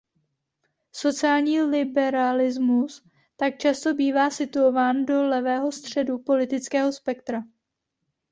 Sociální liberalismus tak často bývá situován do levého středu politického spektra.